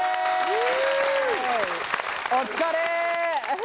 お疲れ！